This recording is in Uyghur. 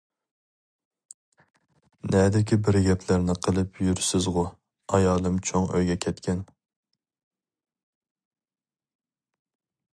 نەدىكى بىر گەپلەرنى قىلىپ يۈرىسىزغۇ. ئايالىم چوڭ ئۆيگە كەتكەن.